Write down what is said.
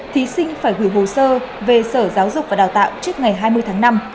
thí sinh phải gửi hồ sơ về sở giáo dục và đào tạo trước ngày hai mươi tháng năm